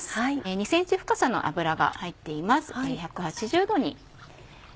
２ｃｍ深さの油が入っています。